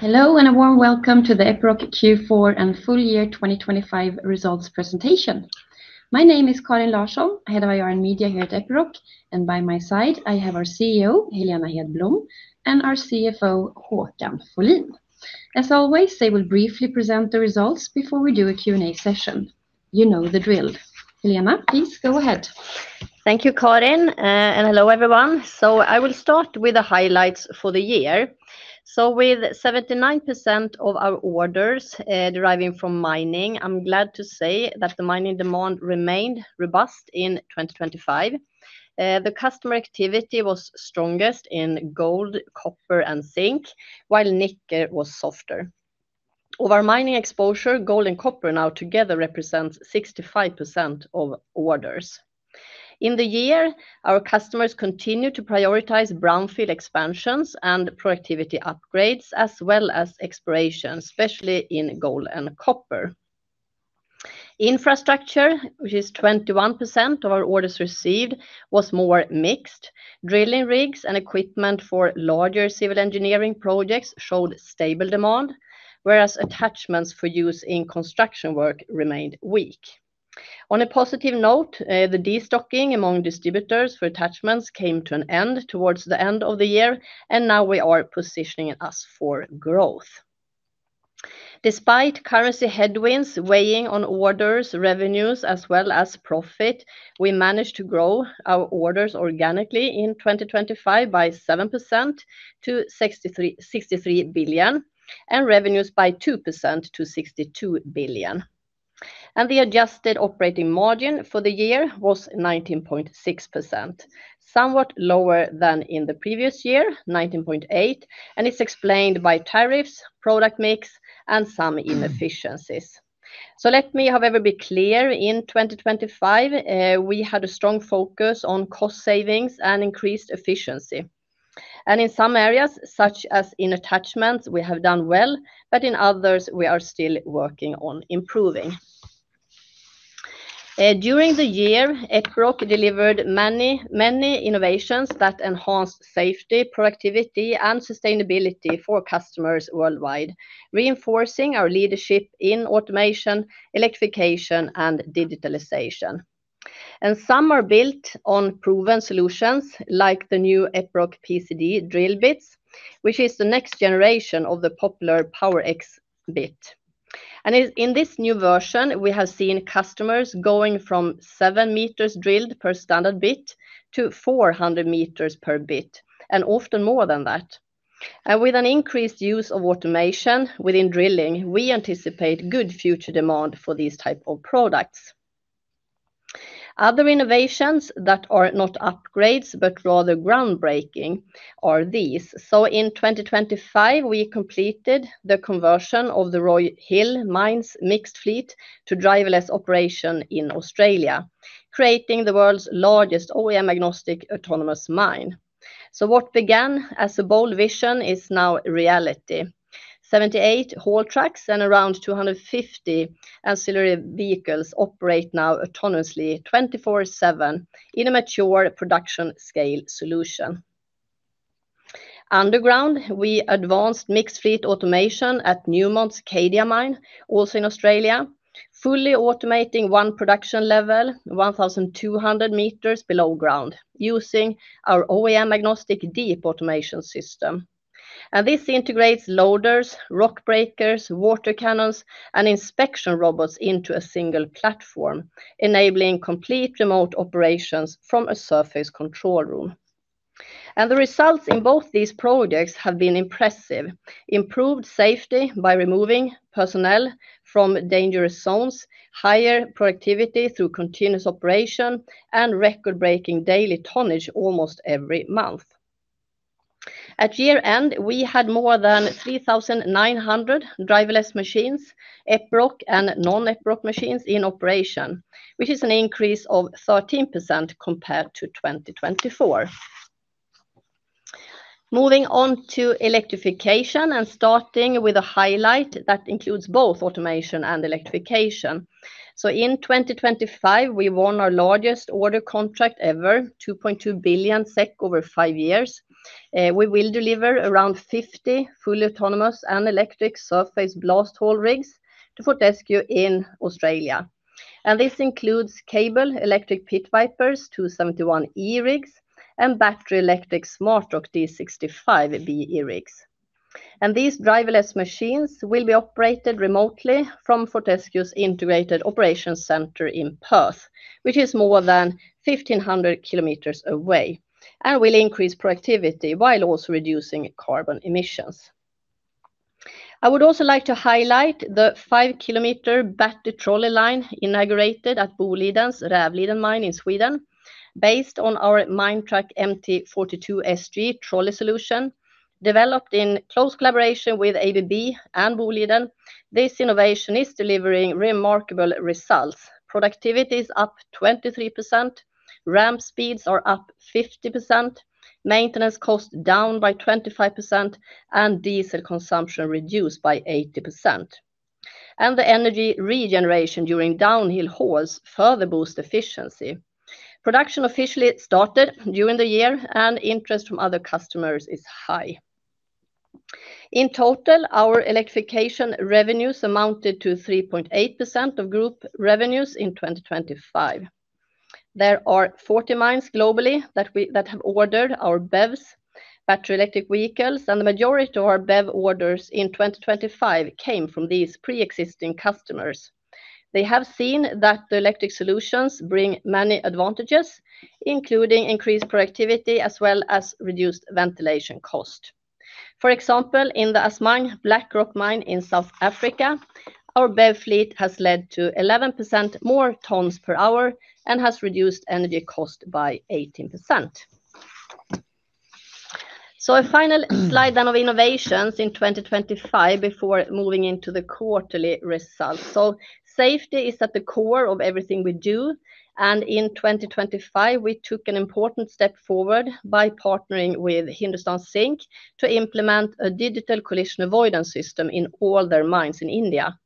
Hello and a warm welcome to the Epiroc Q4 and full year 2025 results presentation. My name is Karin Larsson, head of IR and media here at Epiroc, and by my side I have our CEO, Helena Hedblom, and our CFO, Håkan Folin. As always, they will briefly present the results before we do a Q&A session. You know the drill. Helena, please go ahead. Thank you, Karin, and hello everyone. So I will start with the highlights for the year. So with 79% of our orders deriving from mining, I'm glad to say that the mining demand remained robust in 2025. The customer activity was strongest in gold, copper, and zinc, while nickel was softer. Of our mining exposure, gold and copper now together represent 65% of orders. In the year, our customers continue to prioritize brownfield expansions and productivity upgrades, as well as exploration, especially in gold and copper. Infrastructure, which is 21% of our orders received, was more mixed. Drilling rigs and equipment for larger civil engineering projects showed stable demand, whereas attachments for use in construction work remained weak. On a positive note, the destocking among distributors for attachments came to an end towards the end of the year, and now we are positioning us for growth. Despite currency headwinds weighing on orders, revenues, as well as profit, we managed to grow our orders organically in 2025 by 7% to 63 billion, and revenues by 2% to 62 billion. The Adjusted Operating Margin for the year was 19.6%, somewhat lower than in the previous year, 19.8%, and it's explained by tariffs, product mix, and some inefficiencies. Let me, however, be clear: in 2025, we had a strong focus on cost savings and increased efficiency. In some areas, such as in attachments, we have done well, but in others, we are still working on improving. During the year, Epiroc delivered many innovations that enhanced safety, productivity, and sustainability for customers worldwide, reinforcing our leadership in automation, electrification, and digitalization. Some are built on proven solutions like the new Epiroc PCD drill bits, which is the next generation of the popular Powerbit X bit. In this new version, we have seen customers going from 7 meters drilled per standard bit to 400 meters per bit, and often more than that. With an increased use of automation within drilling, we anticipate good future demand for these types of products. Other innovations that are not upgrades but rather groundbreaking are these. In 2025, we completed the conversion of the Roy Hill Mine's mixed fleet to driverless operation in Australia, creating the world's largest OEM-agnostic autonomous mine. What began as a bold vision is now reality. 78 haul trucks and around 250 ancillary vehicles operate now autonomously 24/7 in a mature production-scale solution. Underground, we advanced mixed fleet automation at Newmont's Cadia Mine, also in Australia, fully automating one production level, 1,200 meters below ground, using our OEM-agnostic deep automation system. This integrates loaders, rock breakers, water cannons, and inspection robots into a single platform, enabling complete remote operations from a surface control room. The results in both these projects have been impressive: improved safety by removing personnel from dangerous zones, higher productivity through continuous operation, and record-breaking daily tonnage almost every month. At year-end, we had more than 3,900 driverless machines, Epiroc and non-Epiroc machines in operation, which is an increase of 13% compared to 2024. Moving on to electrification and starting with a highlight that includes both automation and electrification. In 2025, we won our largest order contract ever, 2.2 billion SEK over five years. We will deliver around 50 fully autonomous and electric surface blast haul rigs to Fortescue in Australia. This includes cable electric Pit Viper 271 E rigs and battery electric SmartROC D65 BE rigs. These driverless machines will be operated remotely from Fortescue's integrated operations center in Perth, which is more than 1,500 kilometers away, and will increase productivity while also reducing carbon emissions. I would also like to highlight the 5-kilometer battery trolley line inaugurated at Boliden's Rävliden mine in Sweden. Based on our Minetruck MT42 SG Trolley solution, developed in close collaboration with ABB and Boliden, this innovation is delivering remarkable results. Productivity is up 23%, ramp speeds are up 50%, maintenance costs down by 25%, and diesel consumption reduced by 80%. And the energy regeneration during downhill hauls further boosts efficiency. Production officially started during the year, and interest from other customers is high. In total, our electrification revenues amounted to 3.8% of group revenues in 2025. There are 40 mines globally that have ordered our BEVs, battery electric vehicles, and the majority of our BEV orders in 2025 came from these pre-existing customers. They have seen that the electric solutions bring many advantages, including increased productivity as well as reduced ventilation cost. For example, in the Assmang Black Rock Mine in South Africa, our BEV fleet has led to 11% more tons per hour and has reduced energy cost by 18%. So a final slide then of innovations in 2025 before moving into the quarterly results. So safety is at the core of everything we do. And in 2025, we took an important step forward by partnering with Hindustan Zinc to implement a digital collision avoidance system in all their mines in India.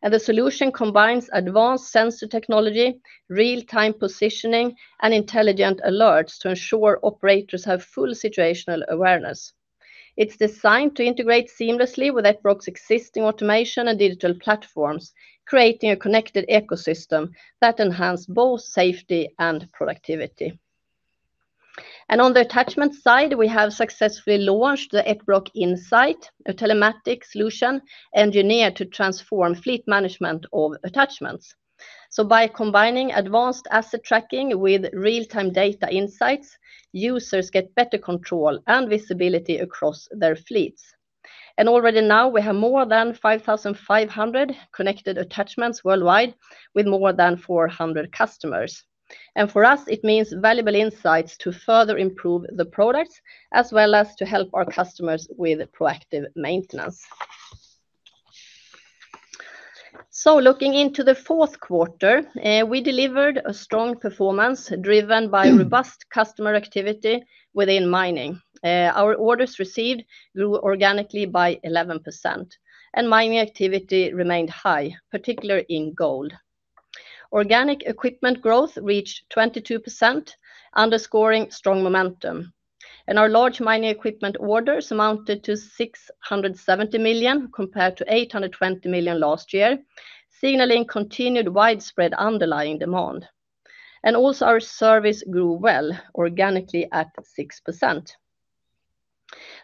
And the solution combines advanced sensor technology, real-time positioning, and intelligent alerts to ensure operators have full situational awareness. It's designed to integrate seamlessly with Epiroc's existing automation and digital platforms, creating a connected ecosystem that enhances both safety and productivity. On the attachment side, we have successfully launched the Epiroc Insight, a telematics solution engineered to transform fleet management of attachments. By combining advanced asset tracking with real-time data insights, users get better control and visibility across their fleets. Already now, we have more than 5,500 connected attachments worldwide with more than 400 customers. For us, it means valuable insights to further improve the products as well as to help our customers with proactive maintenance. Looking into the Q4, we delivered a strong performance driven by robust customer activity within mining. Our orders received grew organically by 11%, and mining activity remained high, particularly in gold. Organic equipment growth reached 22%, underscoring strong momentum. Our large mining equipment orders amounted to 670 million compared to 820 million last year, signaling continued widespread underlying demand. Also, our service grew well organically at 6%.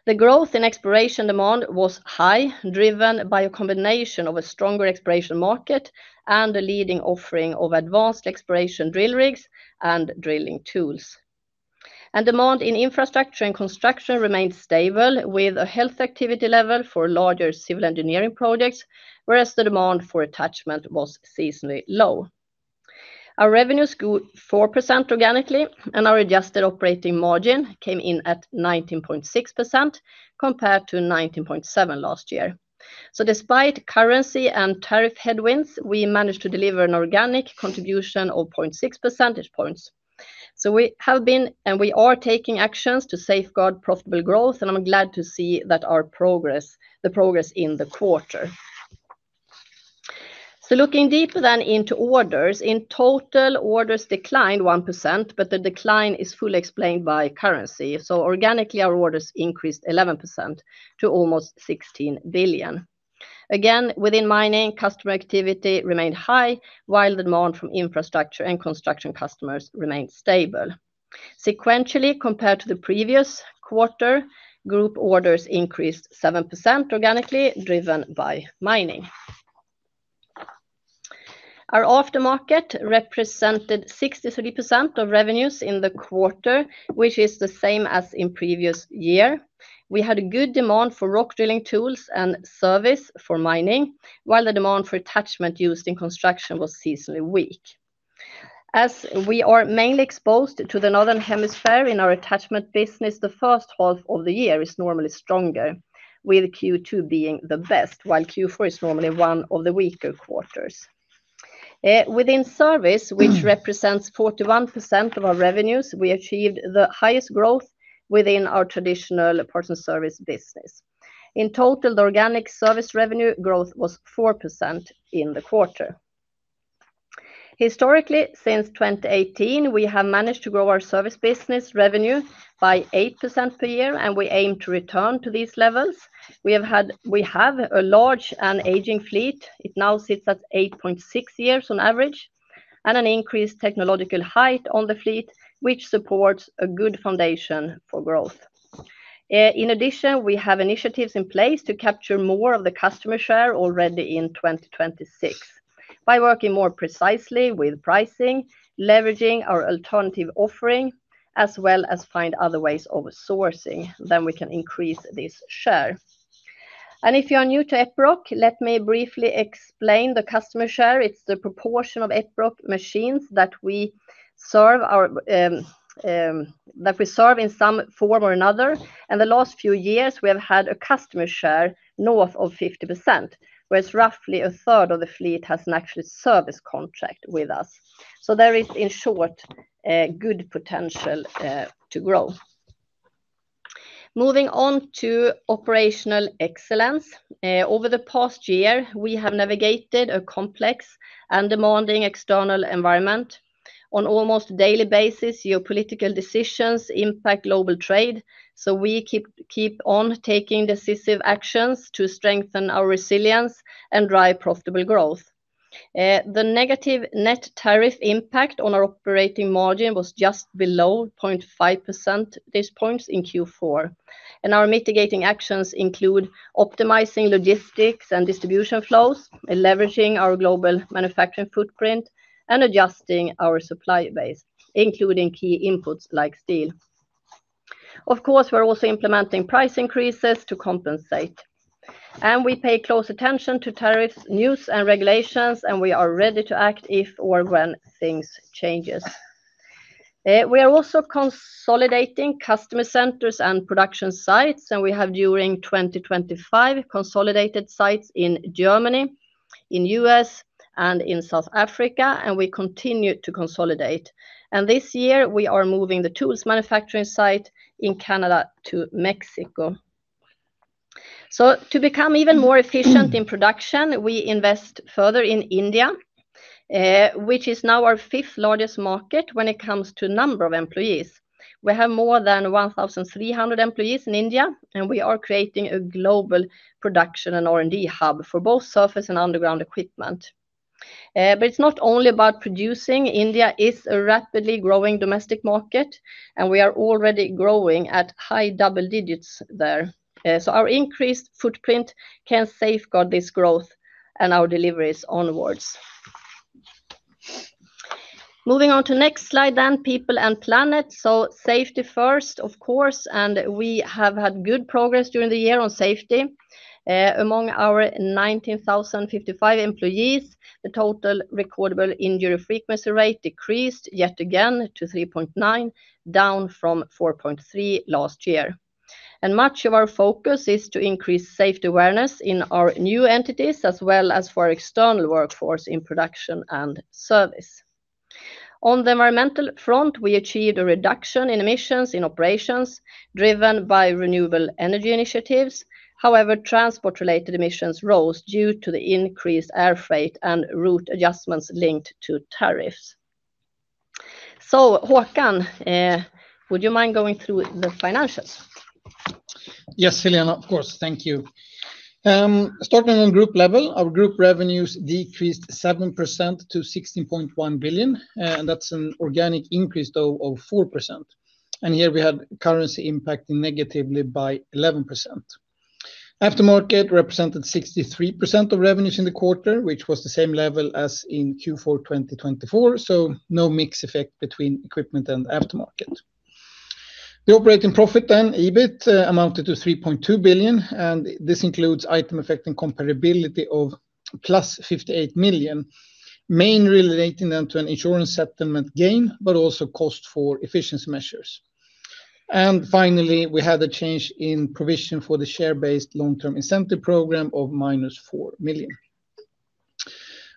The growth in exploration demand was high, driven by a combination of a stronger exploration market and the leading offering of advanced exploration drill rigs and drilling tools. Demand in infrastructure and construction remained stable, with a healthy activity level for larger civil engineering projects, whereas the demand for attachment was seasonally low. Our revenues grew 4% organically, and our Adjusted Operating Margin came in at 19.6% compared to 19.7% last year. Despite currency and tariff headwinds, we managed to deliver an organic contribution of 0.6 percentage points. We have been and we are taking actions to safeguard profitable growth, and I'm glad to see that our progress, the progress in the quarter. So looking deeper then into orders, in total, orders declined 1%, but the decline is fully explained by currency. So organically, our orders increased 11% to almost 16 billion. Again, within mining, customer activity remained high, while the demand from infrastructure and construction customers remained stable. Sequentially, compared to the previous quarter, group orders increased 7% organically, driven by mining. Our aftermarket represented 63% of revenues in the quarter, which is the same as in previous year. We had good demand for rock drilling tools and service for mining, while the demand for attachment used in construction was seasonally weak. As we are mainly exposed to the Northern Hemisphere in our attachment business, the first half of the year is normally stronger, with Q2 being the best, while Q4 is normally one of the weaker quarters. Within service, which represents 41% of our revenues, we achieved the highest growth within our traditional parts and service business. In total, the organic service revenue growth was 4% in the quarter. Historically, since 2018, we have managed to grow our service business revenue by 8% per year, and we aim to return to these levels. We have had, we have a large and aging fleet. It now sits at 8.6 years on average, and an increased technological height on the fleet, which supports a good foundation for growth. In addition, we have initiatives in place to capture more of the customer share already in 2026 by working more precisely with pricing, leveraging our alternative offering, as well as finding other ways of sourcing that we can increase this share. And if you are new to Epiroc, let me briefly explain the customer share. It's the proportion of Epiroc machines that we serve in some form or another. The last few years, we have had a customer share north of 50%, whereas roughly a third of the fleet has an actual service contract with us. There is, in short, good potential to grow. Moving on to operational excellence. Over the past year, we have navigated a complex and demanding external environment. On almost daily basis, geopolitical decisions impact global trade. We keep on taking decisive actions to strengthen our resilience and drive profitable growth. The negative net tariff impact on our operating margin was just below 0.5 percentage points in Q4. Our mitigating actions include optimizing logistics and distribution flows, leveraging our global manufacturing footprint, and adjusting our supply base, including key inputs like steel. Of course, we're also implementing price increases to compensate. We pay close attention to tariffs, news, and regulations, and we are ready to act if or when things change. We are also consolidating customer centers and production sites, and we have during 2025 consolidated sites in Germany, in the U.S., and in South Africa, and we continue to consolidate. This year, we are moving the tools manufacturing site in Canada to Mexico. So to become even more efficient in production, we invest further in India, which is now our fifth largest market when it comes to number of employees. We have more than 1,300 employees in India, and we are creating a global production and R&D hub for both surface and underground equipment. But it's not only about producing. India is a rapidly growing domestic market, and we are already growing at high double-digits there. So our increased footprint can safeguard this growth and our deliveries onwards. Moving on to the next slide then, People and Planet. So safety first, of course, and we have had good progress during the year on safety. Among our 19,055 employees, the total recordable injury frequency rate decreased yet again to 3.9, down from 4.3 last year. And much of our focus is to increase safety awareness in our new entities as well as for our external workforce in production and service. On the environmental front, we achieved a reduction in emissions in operations driven by renewable energy initiatives. However, transport-related emissions rose due to the increased air freight and route adjustments linked to tariffs. So Håkan, would you mind going through the financials? Yes, Helena, of course. Thank you. Starting on group level, our group revenues decreased 7% to 16.1 billion, and that's an organic increase of 4%. Here we had currency impacting negatively by 11%. Aftermarket represented 63% of revenues in the quarter, which was the same level as in Q4 2024. So no mixed effect between equipment and aftermarket. The operating profit then, EBIT, amounted to 3.2 billion, and this includes items affecting comparability of plus 58 million, mainly relating then to an insurance settlement gain, but also cost for efficiency measures. Finally, we had a change in provision for the share-based long-term incentive program of minus 4 million.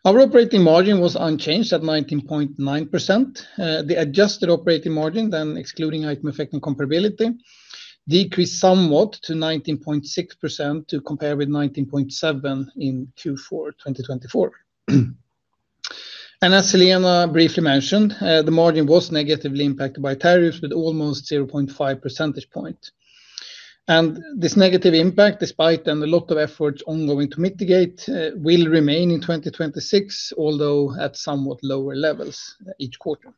Our operating margin was unchanged at 19.9%. The Adjusted Operating Margin, then excluding items affecting comparability, decreased somewhat to 19.6% to compare with 19.7% in Q4 2024. As Helena briefly mentioned, the margin was negatively impacted by tariffs with almost 0.5 percentage points. This negative impact, despite then a lot of efforts ongoing to mitigate, will remain in 2026, although at somewhat lower levels each quarter.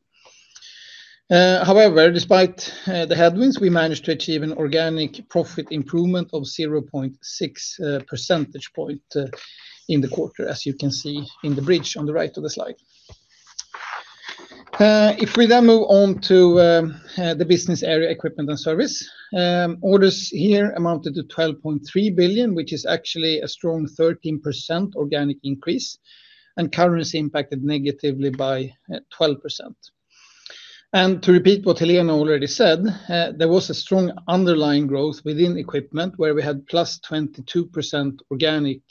However, despite the headwinds, we managed to achieve an organic profit improvement of 0.6 percentage points in the quarter, as you can see in the bridge on the right of the slide. If we then move on to the business area, Equipment and Service, orders here amounted to 12.3 billion, which is actually a strong 13% organic increase, and currency impacted negatively by 12%. To repeat what Helena already said, there was a strong underlying growth within equipment where we had +22% organic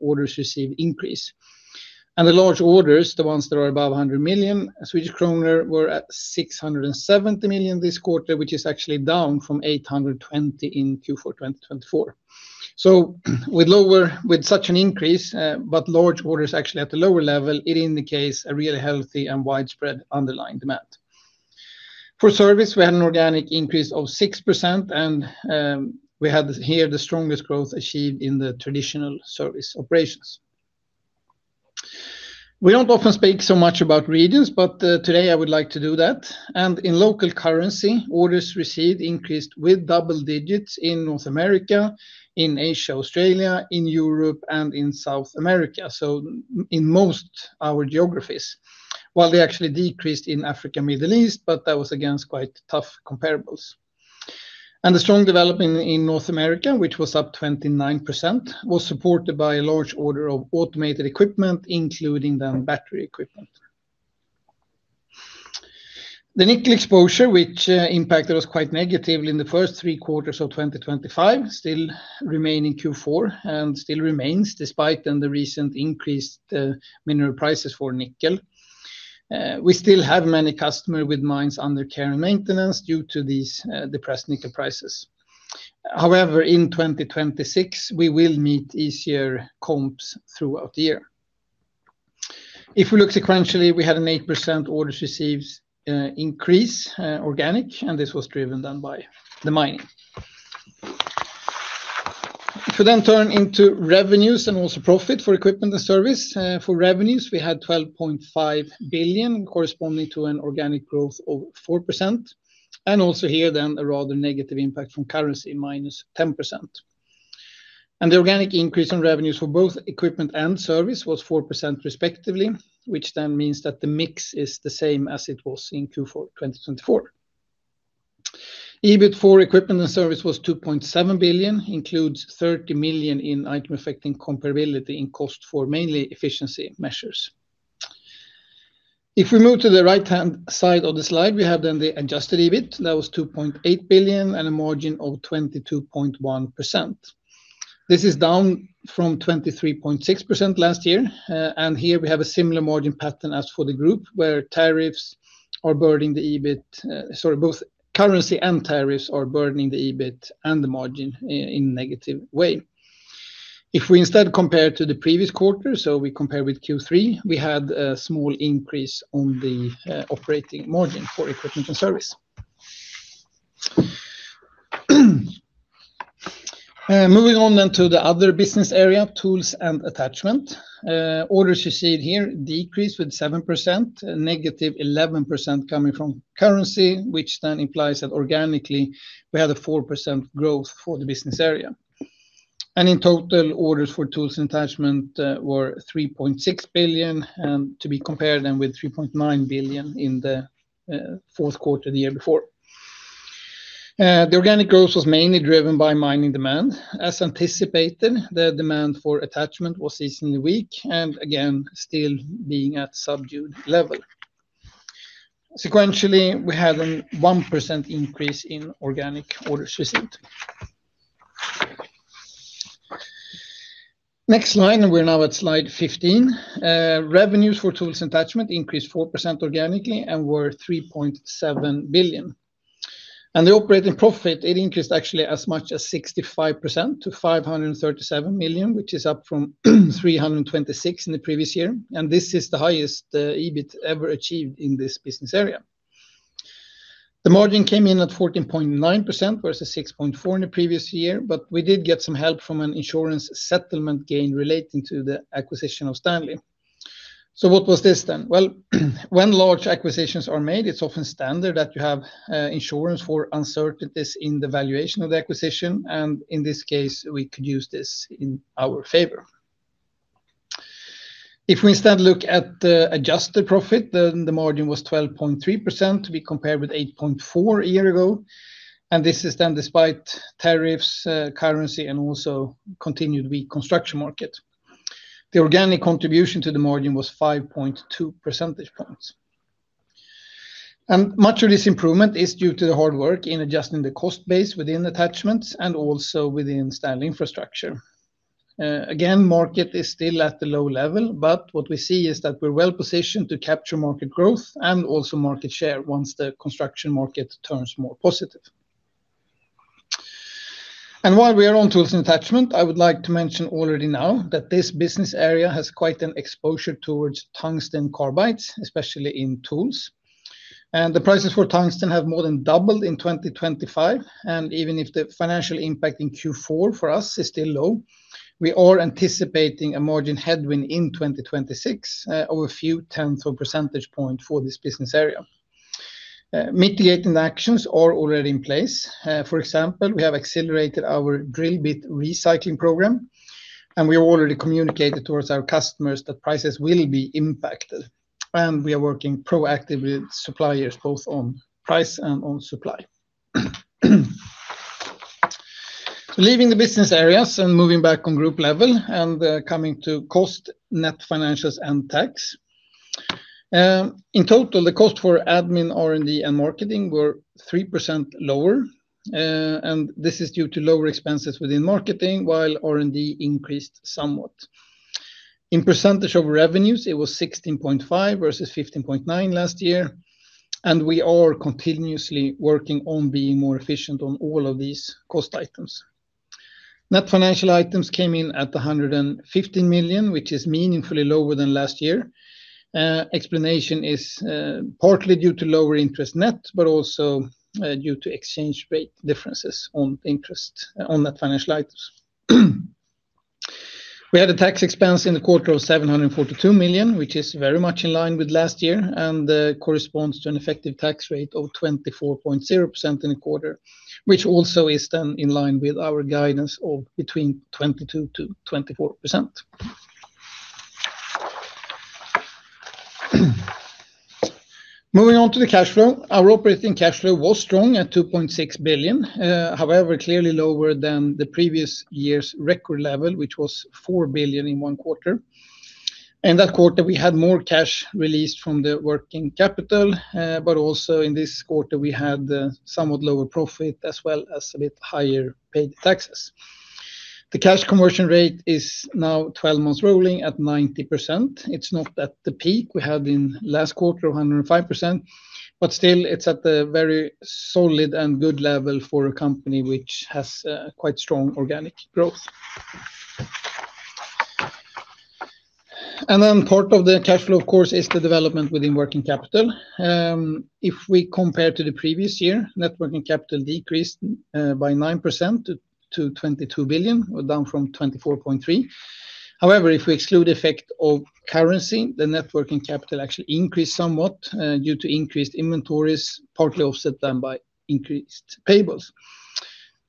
orders received increase. The large orders, the ones that are above 100 million, were at 670 million this quarter, which is actually down from 820 million in Q4 2024. So with lower, with such an increase, but large orders actually at the lower level, it indicates a really healthy and widespread underlying demand. For service, we had an organic increase of 6%, and we had here the strongest growth achieved in the traditional service operations. We don't often speak so much about regions, but today I would like to do that. And in local currency, orders received increased with double-digits in North America, in Asia, Australia, in Europe, and in South America, so in most our geographies, while they actually decreased in Africa and the Middle East, but that was against quite tough comparables. And the strong development in North America, which was up 29%, was supported by a large order of automated equipment, including then battery equipment. The nickel exposure, which impacted us quite negatively in the first three quarters of 2025, still remaining Q4 and still remains despite then the recent increased mineral prices for nickel. We still have many customers with mines under care and maintenance due to these depressed nickel prices. However, in 2026, we will meet easier comps throughout the year. If we look sequentially, we had an 8% orders received increase organic, and this was driven then by the mining. If we then turn into revenues and also profit for Equipment and Service, for revenues, we had 12.5 billion corresponding to an organic growth of 4%, and also here then a rather negative impact from currency minus 10%. The organic increase in revenues for both Equipment and Service was 4% respectively, which then means that the mix is the same as it was in Q4 2024. EBIT for Equipment and Service was 2.7 billion, includes 30 million in items affecting comparability in cost for mainly efficiency measures. If we move to the right-hand side of the slide, we have then the Adjusted EBIT, that was 2.8 billion and a margin of 22.1%. This is down from 23.6% last year. Here we have a similar margin pattern as for the group where tariffs are burdening the EBIT, sorry, both currency and tariffs are burdening the EBIT and the margin in a negative way. If we instead compare to the previous quarter, so we compare with Q3, we had a small increase on the operating margin for Equipment and Service. Moving on then to the other business area, Tools and Attachments. Orders received here decreased with 7%, -11% coming from currency, which then implies that organically we had a 4% growth for the business area. In total, orders for Tools and Attachments were 3.6 billion and to be compared then with 3.9 billion in the Q4 of the year before. The organic growth was mainly driven by mining demand. As anticipated, the demand for attachment was seasonally weak and again still being at subdued level. Sequentially, we had a 1% increase in organic orders received. Next slide, we're now at slide 15. Revenues for Tools and Attachments increased 4% organically and were 3.7 billion. The operating profit, it increased actually as much as 65% to 537 million, which is up from 326 million in the previous year. This is the highest EBIT ever achieved in this business area. The margin came in at 14.9%, whereas it's 6.4% in the previous year, but we did get some help from an insurance settlement gain relating to the acquisition of Stanley. What was this then? Well, when large acquisitions are made, it's often standard that you have insurance for uncertainties in the valuation of the acquisition, and in this case, we could use this in our favor. If we instead look at the adjusted profit, then the margin was 12.3%. Compared with 8.4% a year ago, and this is then despite tariffs, currency, and also continued weak construction market. The organic contribution to the margin was 5.2 percentage points. Much of this improvement is due to the hard work in adjusting the cost base within attachments and also within Stanley Infrastructure. Again, market is still at the low level, but what we see is that we're well positioned to capture market growth and also market share once the construction market turns more positive. While we are on Tools and Attachments, I would like to mention already now that this business area has quite an exposure towards tungsten carbides, especially in tools. The prices for tungsten have more than doubled in 2025. Even if the financial impact in Q4 for us is still low, we are anticipating a margin headwind in 2026 of a few tenths of a percentage point for this business area. Mitigating actions are already in place. For example, we have accelerated our drill bit recycling program, and we have already communicated towards our customers that prices will be impacted. We are working proactively with suppliers both on price and on supply. Leaving the business areas and moving back on group level and coming to cost, net financials, and tax. In total, the cost for admin, R&D, and marketing were 3% lower, and this is due to lower expenses within marketing, while R&D increased somewhat. In percentage of revenues, it was 16.5 versus 15.9 last year, and we are continuously working on being more efficient on all of these cost items. Net financial items came in at 115 million, which is meaningfully lower than last year. Explanation is partly due to lower interest net, but also due to exchange rate differences on interest on that financial items. We had a tax expense in the quarter of 742 million, which is very much in line with last year and corresponds to an effective tax rate of 24.0% in the quarter, which also is then in line with our guidance of between 22%-24%. Moving on to the cash flow, our operating cash flow was strong at 2.6 billion, however clearly lower than the previous year's record level, which was 4 billion in one quarter. In that quarter, we had more cash released from the working capital, but also in this quarter, we had somewhat lower profit as well as a bit higher paid taxes. The cash conversion rate is now 12 months rolling at 90%. It's not at the peak we had in last quarter of 105%, but still it's at a very solid and good level for a company which has quite strong organic growth. And then part of the cash flow, of course, is the development within working capital. If we compare to the previous year, net working capital decreased by 9% to 22 billion, down from 24.3 billion. However, if we exclude the effect of currency, the net working capital actually increased somewhat due to increased inventories, partly offset then by increased payables.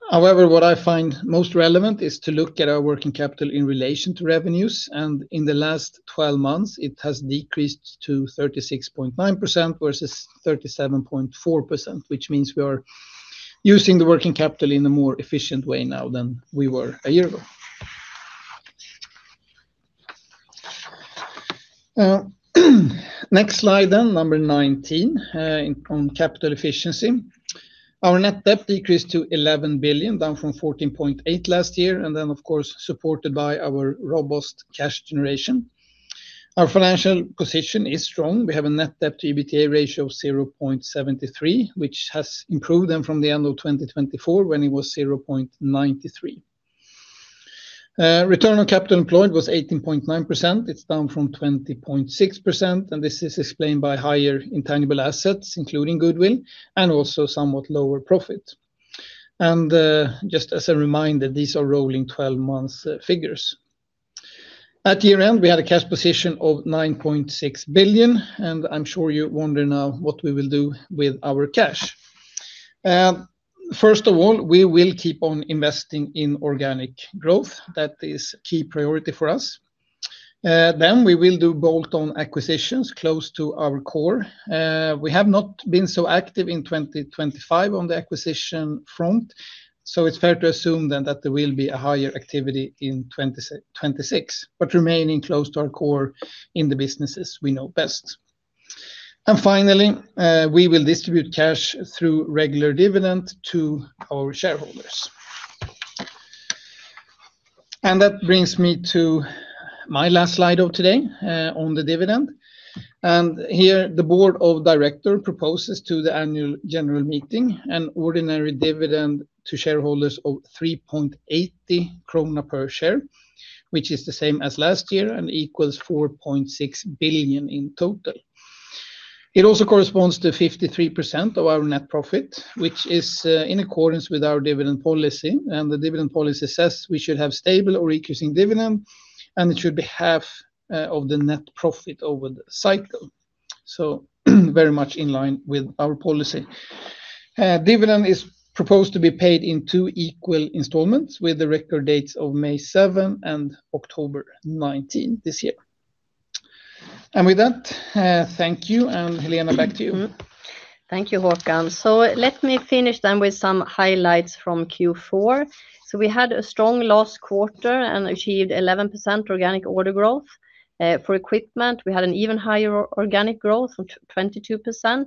However, what I find most relevant is to look at our working capital in relation to revenues, and in the last 12 months, it has decreased to 36.9% versus 37.4%, which means we are using the working capital in a more efficient way now than we were a year ago. Next slide then, number 19 on capital efficiency. Our net debt decreased to 11 billion, down from 14.8 billion last year, and then, of course, supported by our robust cash generation. Our financial position is strong. We have a net debt to EBITDA ratio of 0.73, which has improved then from the end of 2024 when it was 0.93. Return on capital employed was 18.9%. It's down from 20.6%, and this is explained by higher intangible assets, including goodwill, and also somewhat lower profit. Just as a reminder, these are rolling 12-month figures. At year end, we had a cash position of 9.6 billion, and I'm sure you wonder now what we will do with our cash. First of all, we will keep on investing in organic growth. That is a key priority for us. Then we will do bolt-on acquisitions close to our core. We have not been so active in 2025 on the acquisition front, so it's fair to assume then that there will be a higher activity in 2026, but remaining close to our core in the businesses we know best. Finally, we will distribute cash through regular dividend to our shareholders. That brings me to my last slide of today on the dividend. Here, the board of directors proposes to the annual general meeting an ordinary dividend to shareholders of 3.80 krona per share, which is the same as last year and equals 4.6 billion in total. It also corresponds to 53% of our net profit, which is in accordance with our dividend policy. The dividend policy says we should have stable or increasing dividend, and it should be half of the net profit over the cycle. Very much in line with our policy. Dividend is proposed to be paid in two equal installments with the record dates of May 7 and October 19 this year. With that, thank you, and Helena, back to you. Thank you, Håkan. Let me finish then with some highlights from Q4. We had a strong last quarter and achieved 11% organic order growth. For equipment, we had an even higher organic growth of 22%.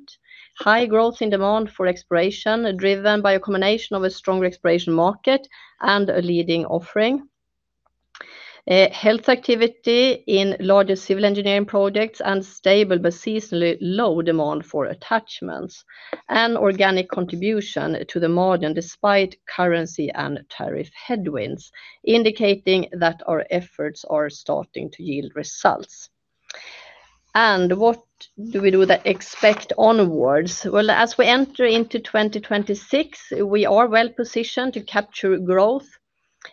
High growth in demand for exploration, driven by a combination of a stronger exploration market and a leading offering. Healthy activity in larger civil engineering projects and stable, but seasonally low demand for attachments. And organic contribution to the margin despite currency and tariff headwinds, indicating that our efforts are starting to yield results. What do we do with the expected onwards? Well, as we enter into 2026, we are well positioned to capture growth.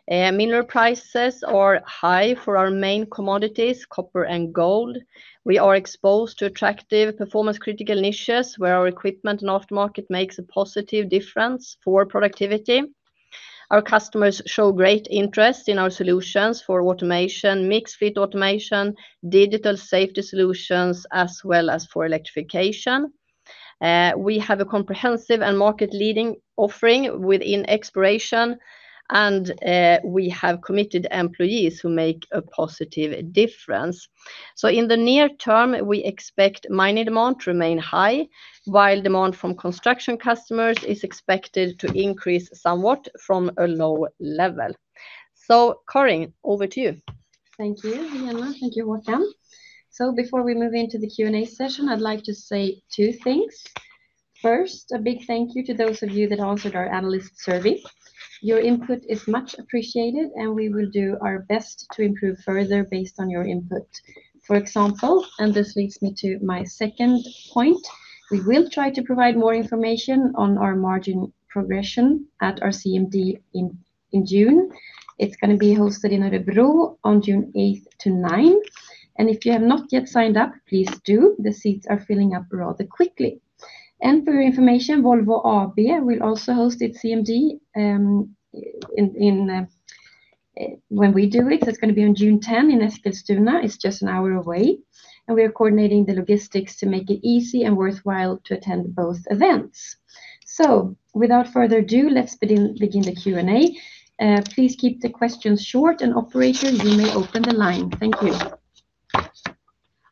Mineral prices are high for our main commodities, copper and gold. We are exposed to attractive performance-critical niches where our equipment and aftermarket makes a positive difference for productivity. Our customers show great interest in our solutions for automation, mixed fleet automation, digital safety solutions, as well as for electrification. We have a comprehensive and market-leading offering within exploration, and we have committed employees who make a positive difference. So in the near term, we expect mining demand to remain high, while demand from construction customers is expected to increase somewhat from a low level. So, Karin, over to you. Thank you, Helena. Thank you, Håkan. So before we move into the Q&A session, I'd like to say two things. First, a big thank you to those of you that answered our analyst survey. Your input is much appreciated, and we will do our best to improve further based on your input. For example, and this leads me to my second point, we will try to provide more information on our margin progression at our CMD in June. It's going to be hosted in Örebro on June 8th to 9th. And if you have not yet signed up, please do. The seats are filling up rather quickly. For your information, Volvo AB will also host its CMD when we do it. It's going to be on June 10 in Eskilstuna. It's just an hour away. We are coordinating the logistics to make it easy and worthwhile to attend both events. So, without further ado, let's begin the Q&A. Please keep the questions short, and operator, you may open the line. Thank you.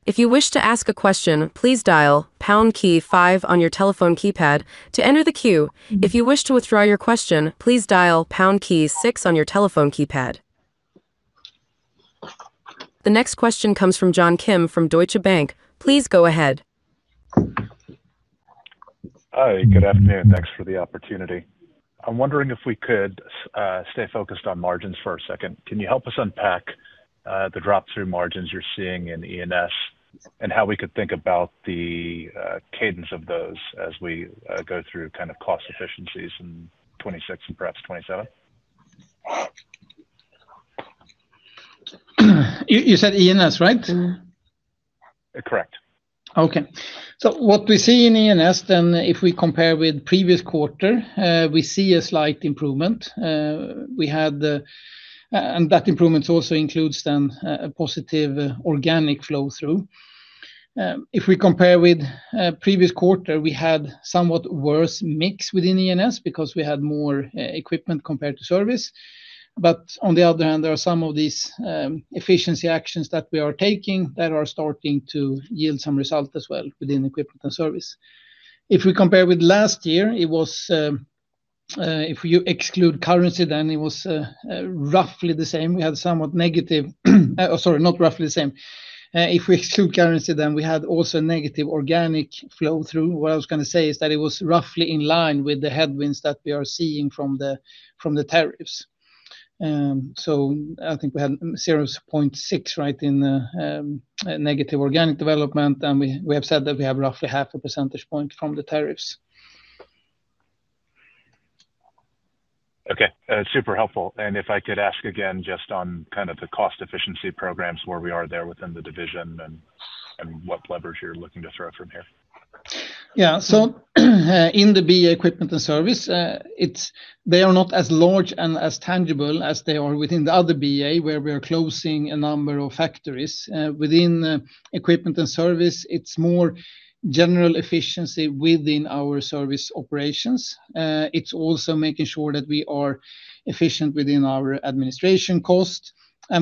If you wish to ask a question, please dial pound key five on your telephone keypad to enter the queue. If you wish to withdraw your question, please dial pound key six on your telephone keypad. The next question comes from John Kim from Deutsche Bank. Please go ahead. Hi, good afternoon. Thanks for the opportunity. I'm wondering if we could stay focused on margins for a second. Can you help us unpack the drop-through margins you're seeing in E&S and how we could think about the cadence of those as we go through kind of cost efficiencies in 2026 and perhaps 2027? You said E&S, right? Correct. Okay. So what we see in E&S then, if we compare with previous quarter, we see a slight improvement. And that improvement also includes then a positive organic flow-through. If we compare with previous quarter, we had somewhat worse mix within E&S because we had more equipment compared to service. But on the other hand, there are some of these efficiency actions that we are taking that are starting to yield some result as well within Equipment and Service. If we compare with last year, if we exclude currency, then it was roughly the same. We had somewhat negative, sorry, not roughly the same. If we exclude currency, then we had also a negative organic flow-through. What I was going to say is that it was roughly in line with the headwinds that we are seeing from the tariffs. So I think we had 0.6, right, in negative organic development, and we have said that we have roughly 0.5 percentage point from the tariffs. Okay. Super helpful. If I could ask again just on kind of the cost efficiency programs, where we are there within the division and what leverage you're looking to throw from here. Yeah. In the BA Equipment and Service, they are not as large and as tangible as they are within the other BA where we are closing a number of factories. Within Equipment and Service, it's more general efficiency within our service operations. It's also making sure that we are efficient within our administration cost.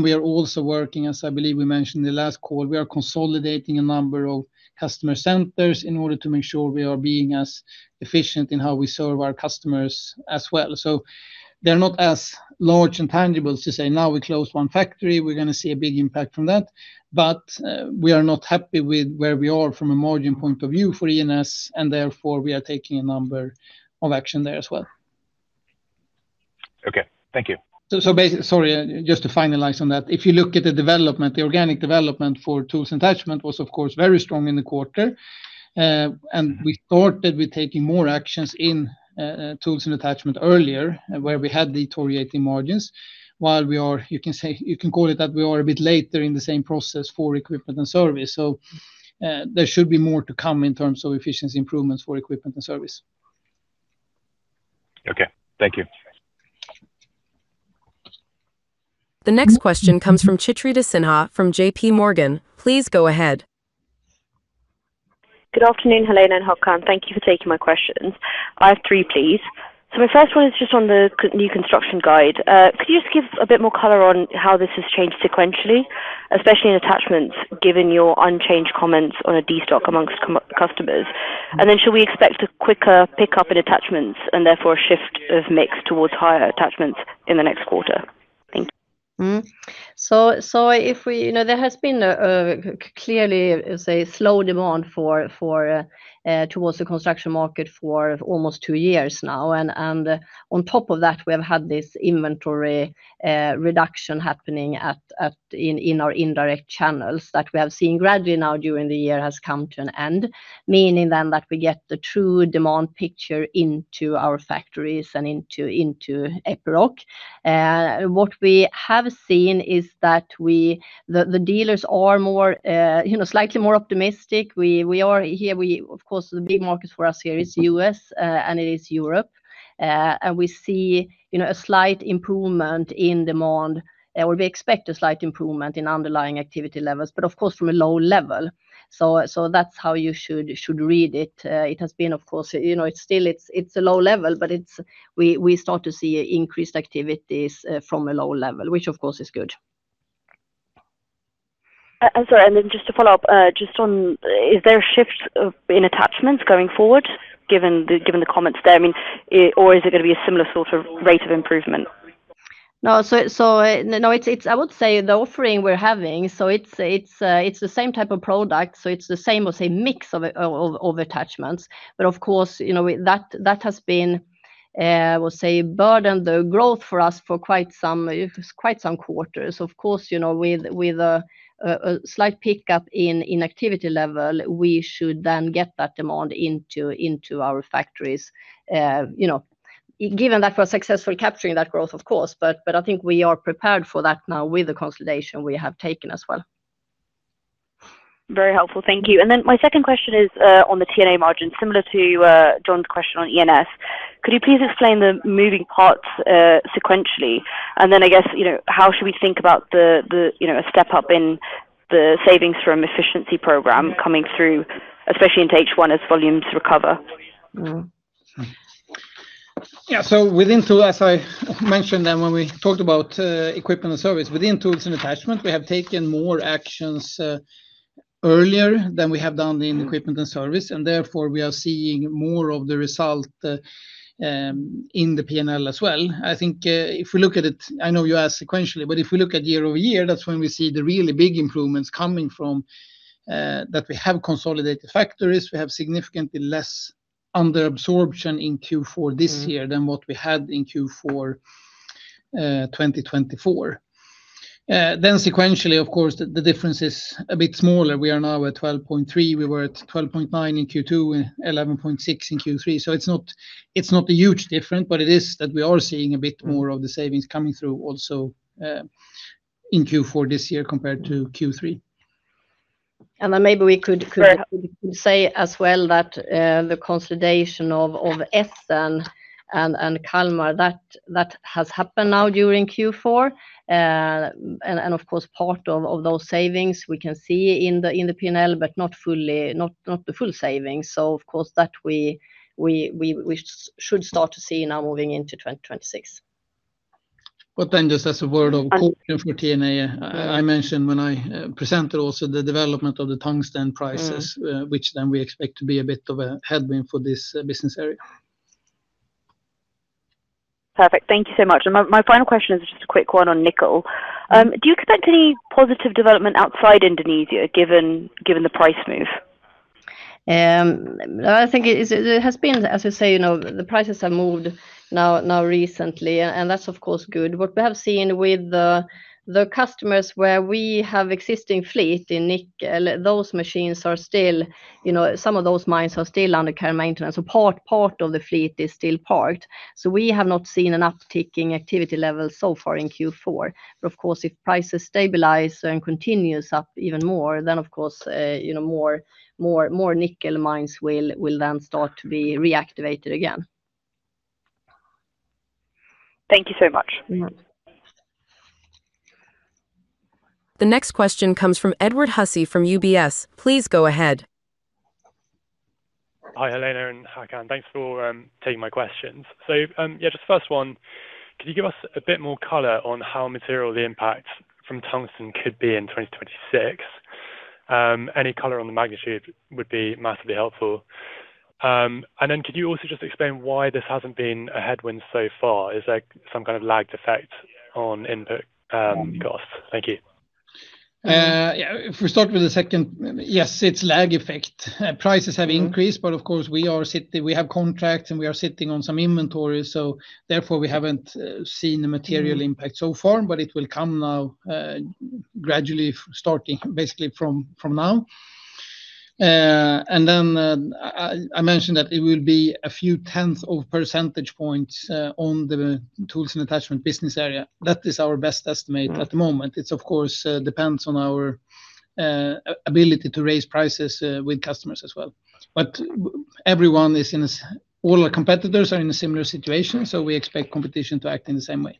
We are also working, as I believe we mentioned in the last call, we are consolidating a number of customer centers in order to make sure we are being as efficient in how we serve our customers as well. So they're not as large and tangible to say, "Now we close one factory, we're going to see a big impact from that." But we are not happy with where we are from a margin point of view for E&S, and therefore we are taking a number of action there as well. Okay. Thank you. So sorry, just to finalize on that, if you look at the development, the organic development for Tools and Attachments was, of course, very strong in the quarter. We started with taking more actions in Tools and Attachments earlier where we had the 20% margins, while we are—you can call it that we are a bit later in the same process for Eequipment and Service. So there should be more to come in terms of efficiency improvements for Equipment and Service. Okay. Thank you. The next question comes from Chitrita Sinha from JPMorgan. Please go ahead. Good afternoon, Helena and Håkan. Thank you for taking my questions. I have three, please. So my first one is just on the new construction guide. Could you just give a bit more color on how this has changed sequentially, especially in attachments given your unchanged comments on destock amongst customers? And then should we expect a quicker pickup in attachments and therefore a shift of mix towards higher attachments in the next quarter? Thank you. There has been clearly, say, slow demand towards the construction market for almost two years now. And on top of that, we have had this inventory reduction happening in our indirect channels that we have seen gradually now during the year has come to an end, meaning then that we get the true demand picture into our factories and into Epiroc. What we have seen is that the dealers are slightly more optimistic. Here, of course, the big markets for us here is U.S., and it is Europe. And we see a slight improvement in demand, or we expect a slight improvement in underlying activity levels, but of course from a low level. So that's how you should read it. It has been, of course, it's still a low level, but we start to see increased activities from a low level, which of course is good. Sorry, and then just to follow up, just on, is there a shift in attachments going forward given the comments there? I mean, or is it going to be a similar sort of rate of improvement? No, so I would say the offering we're having, so it's the same type of product, so it's the same, I would say, mix of attachments. But of course, that has been, I would say, burdened the growth for us for quite some quarters. Of course, with a slight pickup in activity level, we should then get that demand into our factories, given that we're successfully capturing that growth, of course. But I think we are prepared for that now with the consolidation we have taken as well. Very helpful. Thank you. And then my second question is on the T&A margin, similar to John's question on E&S. Could you please explain the moving parts sequentially? And then I guess, how should we think about a step up in the savings from efficiency program coming through, especially into H1 as volumes recover? Yeah. So within tools, as I mentioned then when we talked about Equipment and Service, within Tools and Attachments, we have taken more actions earlier than we have done in Equipment and Service, and therefore we are seeing more of the result in the P&L as well. I think if we look at it, I know you asked sequentially, but if we look at year-over-year, that's when we see the really big improvements coming from that we have consolidated factories. We have significantly less under absorption in Q4 this year than what we had in Q4 2024. Then sequentially, of course, the difference is a bit smaller. We are now at 12.3. We were at 12.9 in Q2, 11.6 in Q3. So it's not a huge difference, but it is that we are seeing a bit more of the savings coming through also in Q4 this year compared to Q3. And then maybe we could say as well that the consolidation of Essen and Kalmar, that has happened now during Q4. And of course, part of those savings we can see in the P&L, but not the full savings. So of course, that we should start to see now moving into 2026. But then just as a word of caution for T&A, I mentioned when I presented also the development of the tungsten prices, which then we expect to be a bit of a headwind for this business area. Perfect. Thank you so much. And my final question is just a quick one on nickel. Do you expect any positive development outside Indonesia given the price move? I think it has been, as I say, the prices have moved now recently, and that's of course good. What we have seen with the customers where we have existing fleet in nickel, those machines are still, some of those mines are still under current maintenance, so part of the fleet is still parked. So we have not seen an uptick in activity level so far in Q4. But of course, if prices stabilize and continue up even more, then of course, more nickel mines will then start to be reactivated again. Thank you so much. The next question comes from Edward Hussey from UBS. Please go ahead. Hi, Helena and Håkan. Thanks for taking my questions. So yeah, just first one, could you give us a bit more color on how material the impact from tungsten could be in 2026? Any color on the magnitude would be massively helpful. And then could you also just explain why this hasn't been a headwind so far? Is there some kind of lagged effect on input costs? Thank you. Yeah. If we start with the second, yes, it's lagged effect. Prices have increased, but of course, we have contracts and we are sitting on some inventory, so therefore we haven't seen a material impact so far, but it will come now gradually starting basically from now. And then I mentioned that it will be a few tenths of percentage points on the Tools and Attachments business area. That is our best estimate at the moment. It of course depends on our ability to raise prices with customers as well. But all our competitors are in a similar situation, so we expect competition to act in the same way.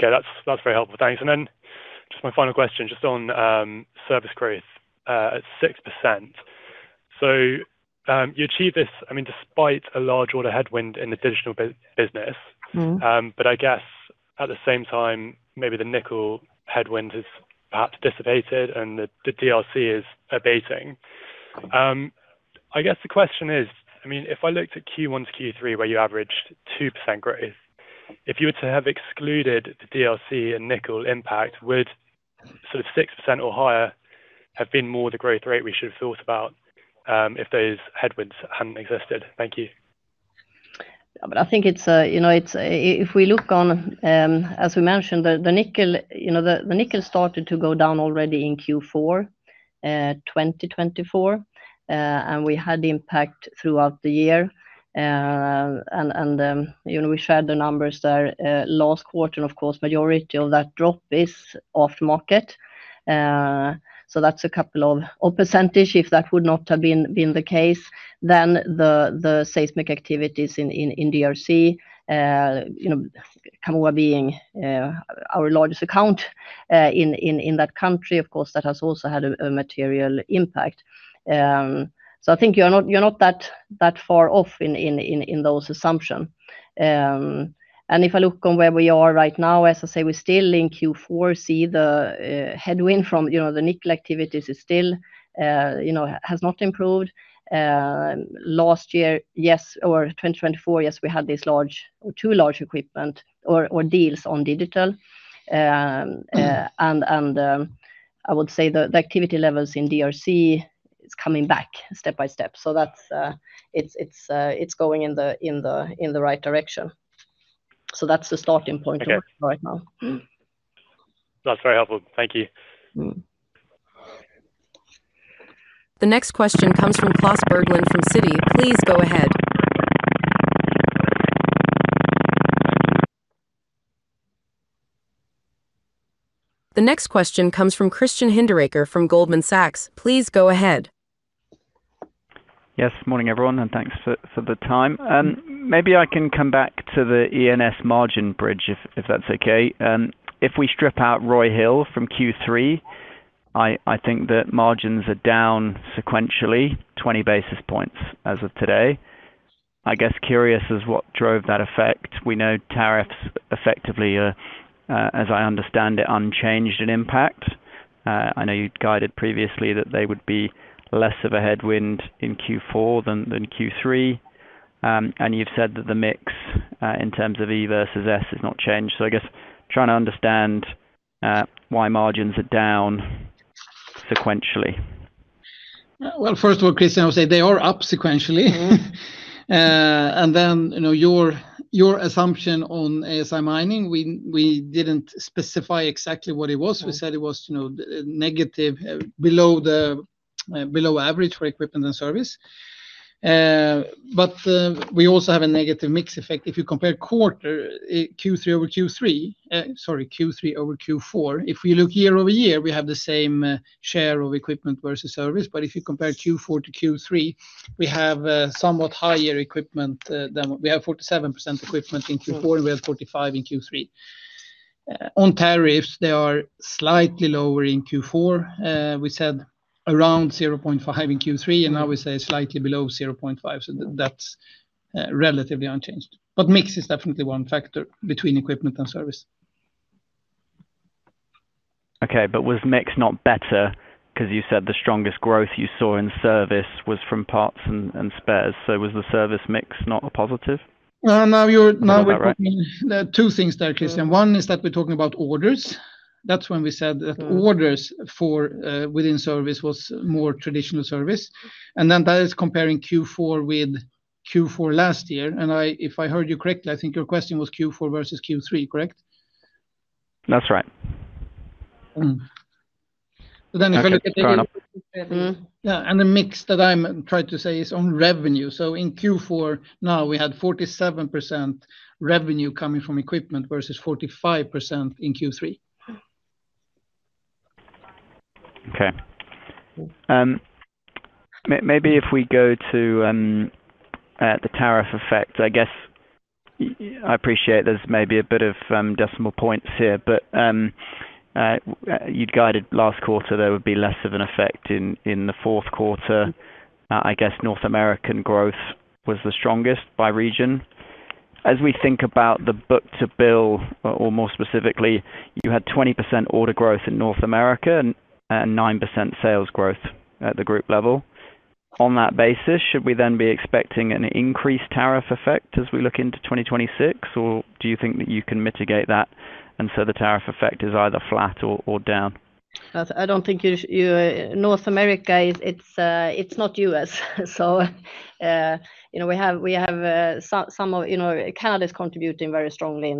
Okay. That's very helpful. Thanks. And then just my final question, just on service growth at 6%. So you achieve this, I mean, despite a large order headwind in the digital business, but I guess at the same time, maybe the nickel headwind has perhaps dissipated and the DRC is abating. I guess the question is, I mean, if I looked at Q1 to Q3 where you averaged 2% growth, if you were to have excluded the DRC and nickel impact, would sort of 6% or higher have been more the growth rate we should have thought about if those headwinds hadn't existed? Thank you. I mean, I think it's a, if we look on, as we mentioned, the nickel started to go down already in Q4 2024, and we had impact throughout the year. And we shared the numbers there last quarter, and of course, majority of that drop is off market. So that's a couple of percentage. If that would not have been the case, then the seismic activities in DRC, Kamoa being our largest account in that country, of course, that has also had a material impact. So I think you're not that far off in those assumptions. And if I look on where we are right now, as I say, we're still in Q4, see the headwind from the nickel activities has not improved. Last year, yes, or 2024, yes, we had these two large equipment or deals on digital. I would say the activity levels in DRC, it's coming back step by step. It's going in the right direction. That's the starting point right now. That's very helpful. Thank you. The next question comes from Klas Bergelind from Citi. Please go ahead. The next question comes from Christian Hinderaker from Goldman Sachs. Please go ahead. Yes. Morning everyone, and thanks for the time. Maybe I can come back to the E&S margin bridge if that's okay. If we strip out Roy Hill from Q3, I think that margins are down sequentially 20 basis points as of today. I guess curious as what drove that effect. We know tariffs effectively, as I understand it, unchanged in impact. I know you guided previously that they would be less of a headwind in Q4 than Q3. You've said that the mix in terms of E versus S has not changed. So I guess trying to understand why margins are down sequentially. Well, first of all, Christian, I would say they are up sequentially. Then your assumption on ASI Mining, we didn't specify exactly what it was. We said it was negative below average for Equipment and Service. But we also have a negative mix effect. If you compare Q3 over Q4, if we look year-over-year, we have the same share of equipment versus service. But if you compare Q4 to Q3, we have somewhat higher equipment than we have 47% equipment in Q4, and we have 45% in Q3. On tariffs, they are slightly lower in Q4. We said around 0.5 in Q3, and now we say slightly below 0.5. So that's relatively unchanged. But mix is definitely one factor between Equipment and Service. Okay. But was mix not better? Because you said the strongest growth you saw in service was from parts and spares. So was the service mix not a positive? Now we're talking two things there, Christian. One is that we're talking about orders. That's when we said that orders within service was more traditional service. And then that is comparing Q4 with Q4 last year. And if I heard you correctly, I think your question was Q4 versus Q3, correct? That's right. But then if I look at the mix that I'm trying to say is on revenue. So in Q4, now we had 47% revenue coming from equipment versus 45% in Q3. Okay. Maybe if we go to the tariff effect, I guess I appreciate there's maybe a bit of decimal points here, but you'd guided last quarter there would be less of an effect in the fourth quarter. I guess North American growth was the strongest by region. As we think about the book to bill, or more specifically, you had 20% order growth in North America and 9% sales growth at the group level. On that basis, should we then be expecting an increased tariff effect as we look into 2026, or do you think that you can mitigate that and so the tariff effect is either flat or down? I don't think you North America, it's not U.S. So we have some of Canada is contributing very strongly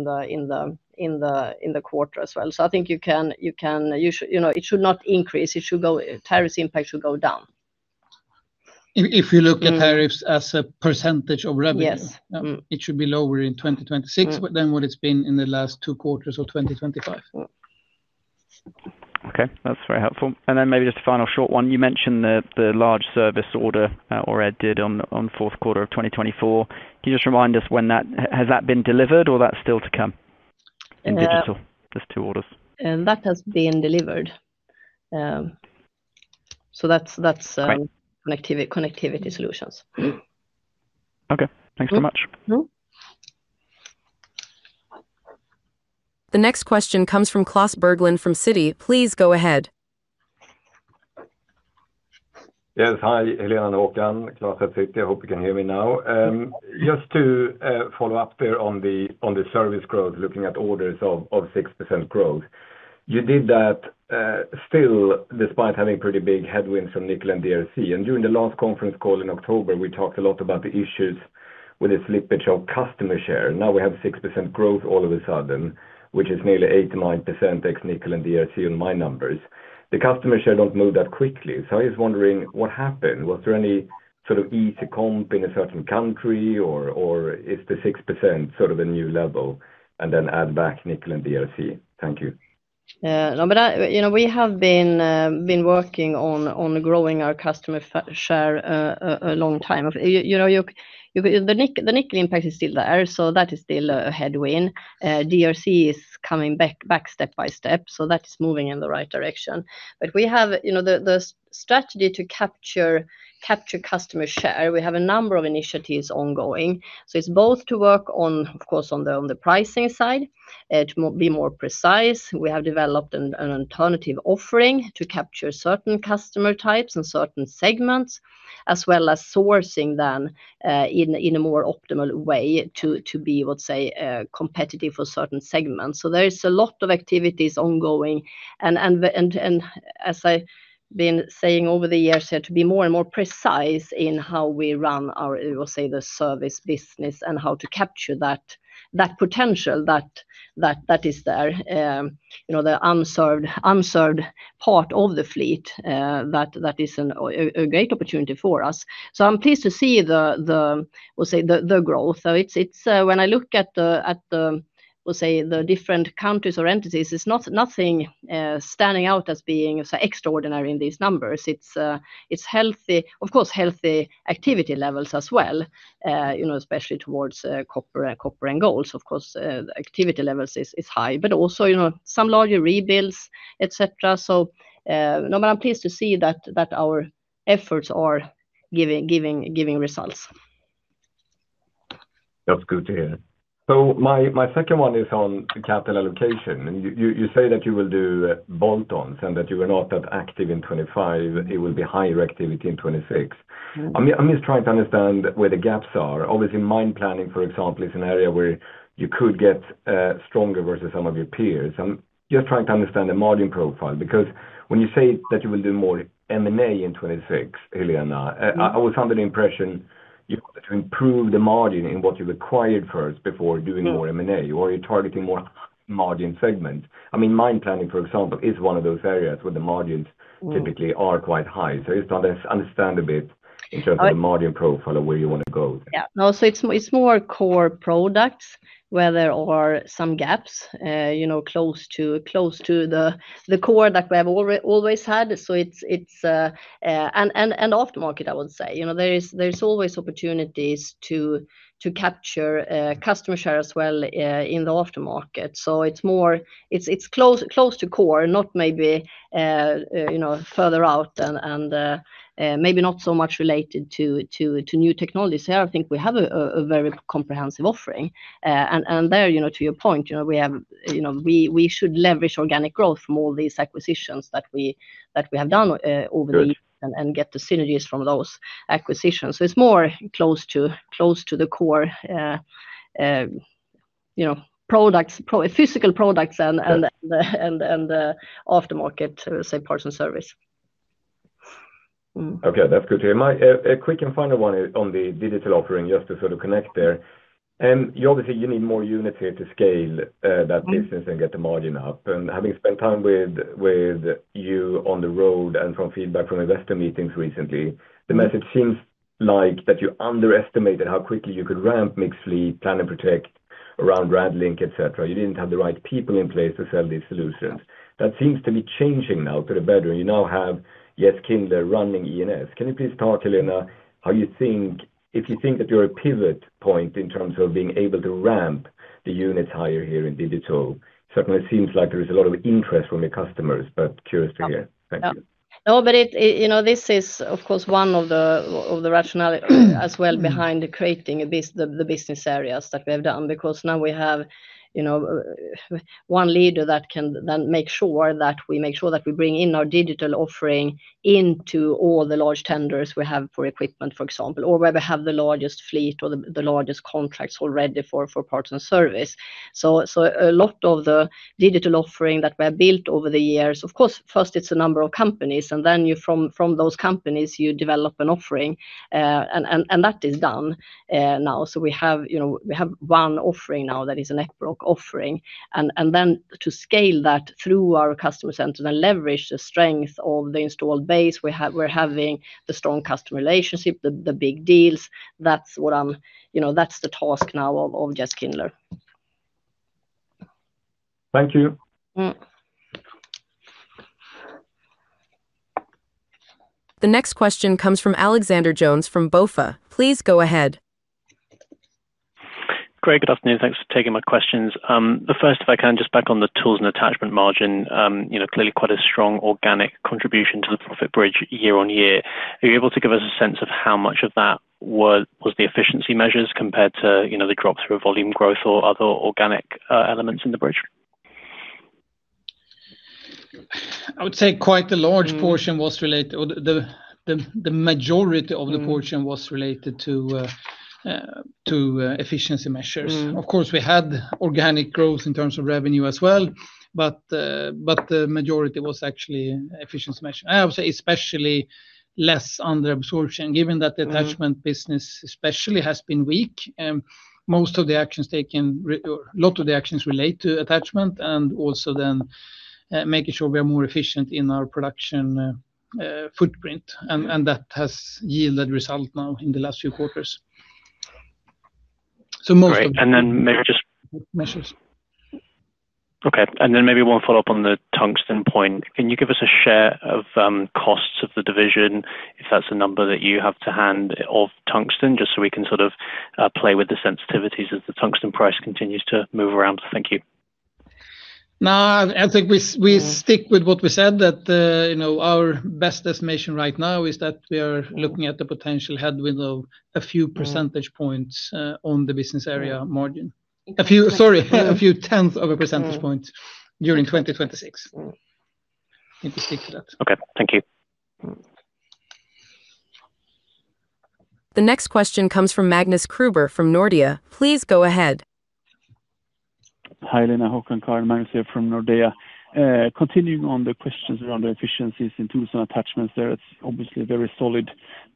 in the quarter as well. So I think you can it should not increase. Tariff impact should go down. If you look at tariffs as a percentage of revenue, it should be lower in 2026 than what it's been in the last two quarters of 2025 Okay. That's very helpful. And then maybe just a final short one. You mentioned the large service order or added on Q4 of 2024. Can you just remind us when that has been delivered or that's still to come in digital? There's two orders. And that has been delivered. So that's connectivity solutions. Okay. Thanks so much. The next question comes from Klas Bergelind from Citi. Please go ahead. Yes. Hi, Helena and Håkan. Klas at Citi. I hope you can hear me now. Just to follow up there on the service growth, looking at orders of 6% growth. You did that still despite having pretty big headwinds from nickel and DRC. During the last conference call in October, we talked a lot about the issues with the slippage of customer share. Now we have 6% growth all of a sudden, which is nearly 8%-9% ex nickel and DRC on my numbers. The customer share don't move that quickly. So I was wondering what happened. Was there any sort of easy comp in a certain country, or is the 6% sort of a new level and then add back nickel and DRC? Thank you. No, but we have been working on growing our customer share a long time. The nickel impact is still there, so that is still a headwind. DRC is coming back step by step, so that is moving in the right direction. But we have the strategy to capture customer share. We have a number of initiatives ongoing. It's both to work on, of course, on the pricing side to be more precise. We have developed an alternative offering to capture certain customer types and certain segments, as well as sourcing them in a more optimal way to be, let's say, competitive for certain segments. There's a lot of activities ongoing. As I've been saying over the years here, to be more and more precise in how we run our, let's say, the service business and how to capture that potential that is there, the unserved part of the fleet, that is a great opportunity for us. I'm pleased to see the, I would say, the growth. When I look at the, I would say, the different countries or entities, it's nothing standing out as being so extraordinary in these numbers. It's healthy, of course, healthy activity levels as well, especially towards copper and gold. So of course, activity levels is high, but also some larger rebuilds, etc. So I'm pleased to see that our efforts are giving results. That's good to hear. So my second one is on capital allocation. You say that you will do bolt-ons and that you are not that active in 2025. It will be higher activity in 2026. I'm just trying to understand where the gaps are. Obviously, mine planning, for example, is an area where you could get stronger versus some of your peers. I'm just trying to understand the margin profile because when you say that you will do more M&A in 2026, Helena, I was under the impression you wanted to improve the margin in what you required first before doing more M&A, or you're targeting more margin segments. I mean, mine planning, for example, is one of those areas where the margins typically are quite high. So I just understand a bit in terms of the margin profile of where you want to go there. Yeah. No, so it's more core products, where there are some gaps close to the core that we have always had. So it's an aftermarket, I would say. There's always opportunities to capture customer share as well in the aftermarket. So it's close to core, not maybe further out and maybe not so much related to new technologies. Here, I think we have a very comprehensive offering. And there, to your point, we should leverage organic growth from all these acquisitions that we have done over the years and get the synergies from those acquisitions. So it's more close to the core products, physical products, and the aftermarket, say, parts and service. Okay. That's good to hear. A quick and final one on the digital offering, just to sort of connect there. Obviously, you need more units here to scale that business and get the margin up. And having spent time with you on the road and from feedback from investor meetings recently, the message seems like that you underestimated how quickly you could ramp mixed fleet, plan and protect around Radlink, etc. You didn't have the right people in place to sell these solutions. That seems to be changing now to the better. You now have Jess Kindler running E&S. Can you please talk, Helena, how you think, if you think that you're a pivot point in terms of being able to ramp the units higher here in digital? Certainly, it seems like there is a lot of interest from your customers, but curious to hear. Thank you. No, but this is, of course, one of the rationales as well behind creating the business areas that we have done, because now we have one leader that can then make sure that we make sure that we bring in our digital offering into all the large tenders we have for equipment, for example, or where we have the largest fleet or the largest contracts already for parts and service. So a lot of the digital offering that we have built over the years, of course, first it's a number of companies, and then from those companies, you develop an offering, and that is done now. So we have one offering now that is an Epiroc offering. And then to scale that through our customer centers and leverage the strength of the installed base, we're having the strong customer relationship, the big deals. That's the task now of Jess Kindler. Thank you. The next question comes from Alexander Jones from Bank of America. Please go ahead. Great. Good afternoon. Thanks for taking my questions. The first, if I can, just back on the Tools and Attachments margin, clearly quite a strong organic contribution to the profit bridge year-on-year. Are you able to give us a sense of how much of that was the efficiency measures compared to the drop through volume growth or other organic elements in the bridge? I would say quite a large portion was related, the majority of the portion was related, to efficiency measures. Of course, we had organic growth in terms of revenue as well, but the majority was actually efficiency measures. I would say especially less under absorption, given that the attachment business especially has been weak. Most of the actions taken, a lot of the actions relate to attachment and also then making sure we are more efficient in our production footprint. That has yielded result now in the last few quarters. So most of it. And then maybe just measures. Okay. And then maybe one follow-up on the tungsten point. Can you give us a share of costs of the division, if that's a number that you have to hand of tungsten, just so we can sort of play with the sensitivities as the tungsten price continues to move around? Thank you. No, I think we stick with what we said, that our best estimation right now is that we are looking at the potential headwind of a few percentage points on the business area margin. Sorry, a few tenths of a percentage point during 2026. We stick to that. Okay. Thank you. The next question comes from Magnus Kruber from Nordea. Please go ahead. Hi, Helena, Håkan, Karin, Magnus here from Nordea. Continuing on the questions around the efficiencies in Tools and Attachments, there is obviously a very solid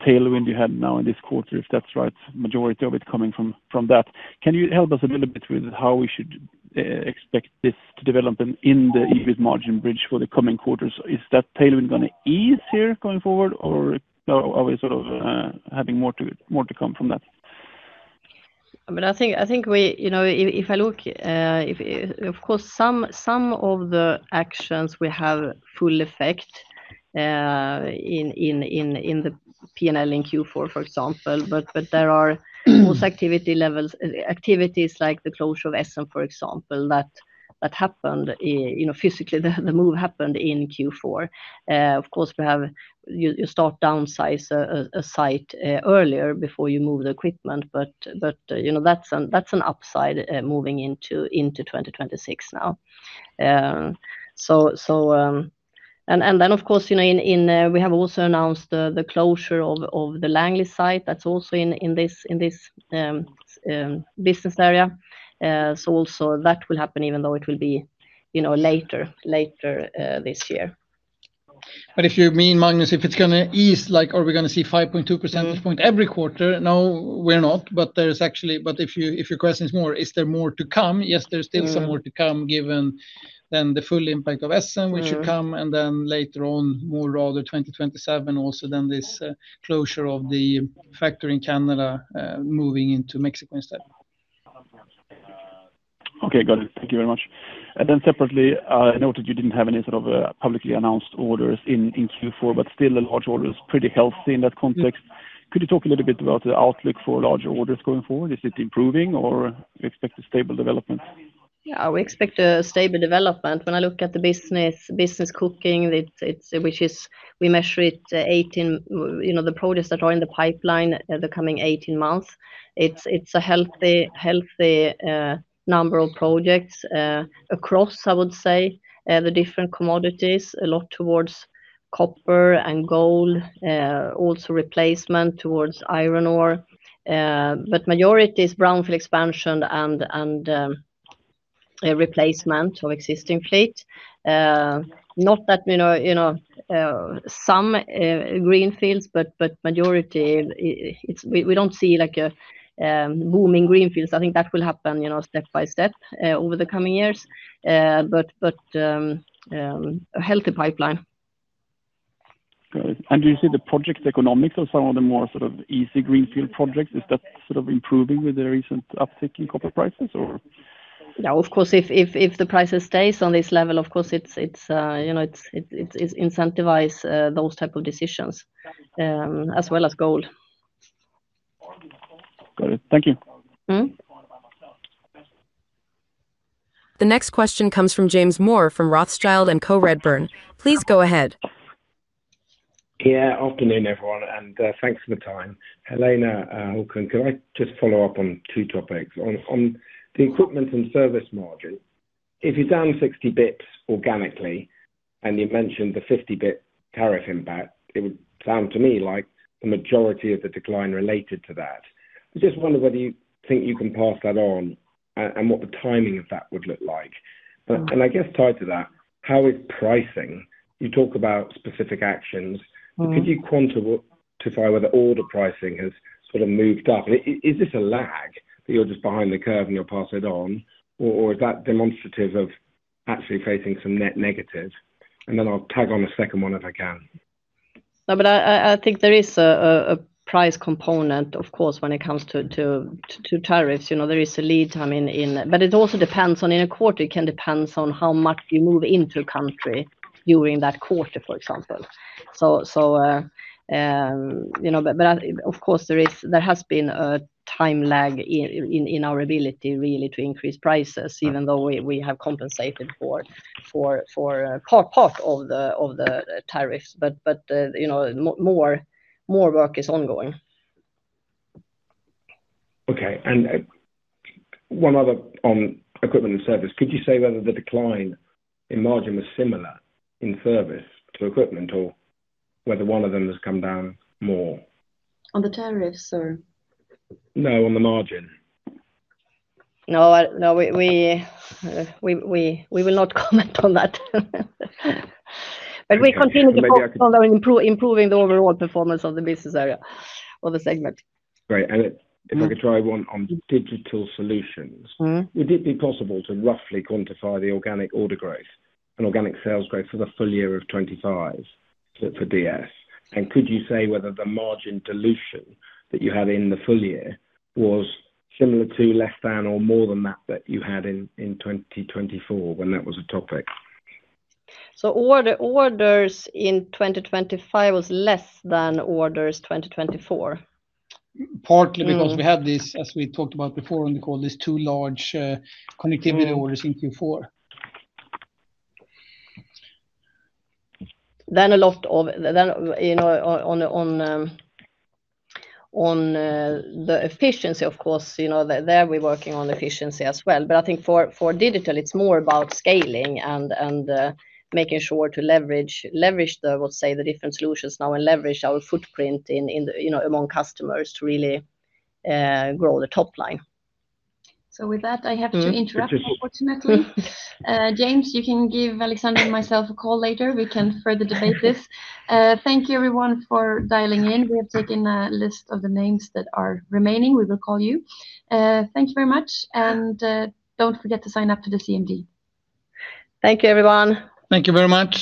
tailwind you had now in this quarter, if that's right, majority of it coming from that. Can you help us a little bit with how we should expect this to develop in the EBIT margin bridge for the coming quarters? Is that tailwind going to ease here going forward, or are we sort of having more to come from that? I mean, I think if I look, of course, some of the actions will have full effect in the P&L in Q4, for example. But there are most activities like the close of Essen, for example, that happened physically. The move happened in Q4. Of course, you start downsizing a site earlier before you move the equipment, but that's an upside moving into 2026 now. Then, of course, we have also announced the closure of the Langley site that's also in this business area. So also that will happen even though it will be later this year. But if you mean, Magnus, if it's going to ease, are we going to see 5.2 percentage points every quarter? No, we're not. But if your question is more, is there more to come? Yes, there's still some more to come given then the full impact of Essen, which should come, and then later on, more rather 2027, also then this closure of the factory in Canada moving into Mexico instead. Okay. Got it. Thank you very much. Then separately, I noted you didn't have any sort of publicly announced orders in Q4, but still a large order is pretty healthy in that context. Could you talk a little bit about the outlook for larger orders going forward? Is it improving, or do you expect a stable development? Yeah. We expect a stable development. When I look at the business book, which is we measure it the projects that are in the pipeline the coming 18 months, it's a healthy number of projects across, I would say, the different commodities, a lot towards copper and gold, also replacement towards iron ore. But majority is brownfield expansion and replacement of existing fleet. Not that some greenfields, but majority, we don't see booming greenfields. I think that will happen step by step over the coming years, but a healthy pipeline. Got it. Do you see the project economics of some of the more sort of easy greenfield projects? Is that sort of improving with the recent uptick in copper prices, or? Yeah. Of course, if the price stays on this level, of course, it's incentivized those type of decisions as well as gold. Got it. Thank you. The next question comes from James Moore from Rothschild & Co Redburn. Please go ahead. Yeah. Afternoon, everyone, and thanks for the time. Helena, Håkan, can I just follow up on two topics? On the Equipment and Service margin, if you're down 60 basis points organically and you mentioned the 50 basis points tariff impact, it would sound to me like the majority of the decline related to that. I just wonder whether you think you can pass that on and what the timing of that would look like. And I guess tied to that, how is pricing? You talk about specific actions. Could you quantify whether order pricing has sort of moved up? Is this a lag that you're just behind the curve and you'll pass it on, or is that demonstrative of actually facing some net negatives? And then I'll tag on a second one if I can. I mean, I think there is a price component, of course, when it comes to tariffs. There is a lead time in, but it also depends on in a quarter. It can depend on how much you move into a country during that quarter, for example. So but of course, there has been a time lag in our ability really to increase prices, even though we have compensated for part of the tariffs. But more work is ongoing. Okay. And one other on Equipment and Service. Could you say whether the decline in margin was similar in service to equipment or whether one of them has come down more? On the tariffs or? No, on the margin. No, we will not comment on that. But we continue to follow improving the overall performance of the business area or the segment Great. And if I could try one on Digital Solutions. Would it be possible to roughly quantify the organic order growth and organic sales growth for the full year of 2025 for DS? And could you say whether the margin dilution that you had in the full year was similar to less than or more than that that you had in 2024 when that was a topic? So orders in 2025 was less than orders 2024? Partly because we had this, as we talked about before, and we call this two large connectivity orders in Q4. Then a lot of on the efficiency, of course, there we're working on efficiency as well. But I think for digital, it's more about scaling and making sure to leverage the, I would say, the different solutions now and leverage our footprint among customers to really grow the top line. So with that, I have to interrupt you, unfortunately. James, you can give Alexander and myself a call later. We can further debate this. Thank you, everyone, for dialing in. We have taken a list of the names that are remaining. We will call you. Thank you very much. And don't forget to sign up to the CMD. Thank you, everyone. Thank you very much.